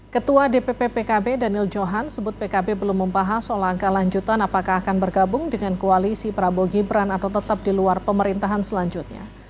ketua dpp pkb daniel johan sebut pkb belum membahas soal angka lanjutan apakah akan bergabung dengan koalisi prabowo gibran atau tetap di luar pemerintahan selanjutnya